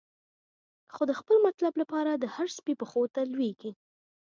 خو د خپل مطلب لپاره، د هر سپی پښو ته لویږی